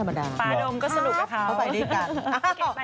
ปลาดมก็สนุกกับเขา